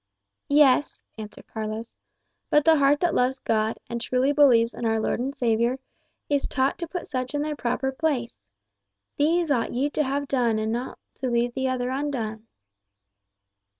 "Yes," answered Carlos; "but the heart that loves God, and truly believes in our Lord and Saviour, is taught to put such in their proper place. 'These ought ye to have done, and not to leave the other undone.